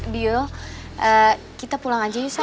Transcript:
dio kita pulang aja ya sam